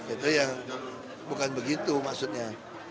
itu ya bukan begitu maksudnya